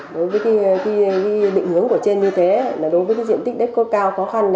đối với định hướng của trên như thế đối với diện tích đất cốt cao khó khăn